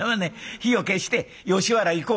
火を消して吉原行こう」。